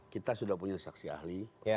kita sudah punya saksi ahli